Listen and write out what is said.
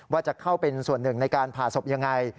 ว่าจะเข้าเป็นส่วนหนึ่งในการผ่าศพยังไง